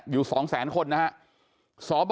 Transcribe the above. อยู่๒แสนคนนะครับ